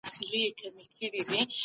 پکښي بندي یې